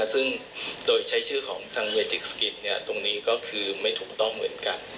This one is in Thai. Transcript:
ซึ่งโดยใช้ชื่อของทางเวจิกสกิมตรงนี้ก็คือไม่ถูกต้องเหมือนกัน